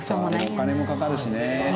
お金もかかるしね。